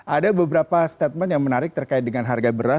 ada beberapa statement yang menarik terkait dengan harga beras